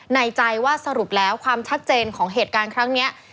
ในใจว่าสรุปแล้วความชัดเจนของเหตุการณ์ครั้งนี้